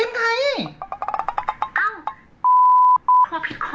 ติ๊มใคร